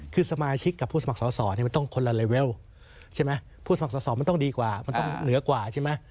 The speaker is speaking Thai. คือสมาชิกภักดิ์กับผู้สมัครสอสอมันต้องคนละเลเวลผู้สมัครสอสอมันต้องดีกว่ามันต้องเหนือกว่า